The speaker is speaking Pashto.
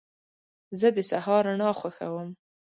زه د سهار رڼا خوښوم.